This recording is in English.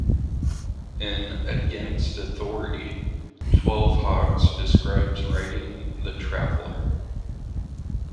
In "Against Authority", Twelve Hawks describes writing "The Traveler".